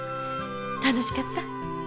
楽しかった？